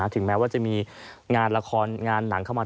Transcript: ถึงแม้ว่าจะมีงานละครงานหนังเข้ามา